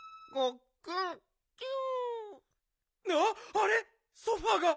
あれ？